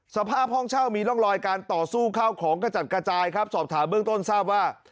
สภาพห้องเช่ามีร่องรอยการต่อสู้ข้าวของกระจัดกระจายครับสอบถามเบื้องต้นทราบว่า